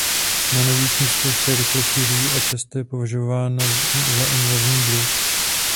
Na nových místech se rychle šíří a často je považována za invazní druh.